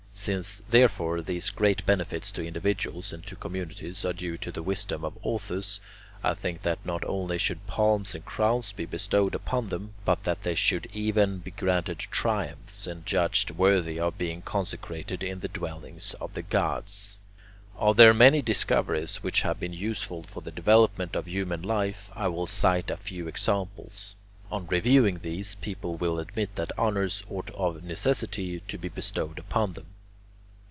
Since, therefore, these great benefits to individuals and to communities are due to the wisdom of authors, I think that not only should palms and crowns be bestowed upon them, but that they should even be granted triumphs, and judged worthy of being consecrated in the dwellings of the gods. Of their many discoveries which have been useful for the development of human life, I will cite a few examples. On reviewing these, people will admit that honours ought of necessity to be bestowed upon them.